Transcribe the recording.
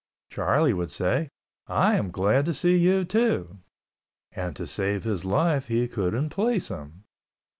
Charlie would say, "I am glad to see you, too," and to save his life he couldn't place him.